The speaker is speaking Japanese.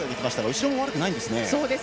後ろも悪くないんですね。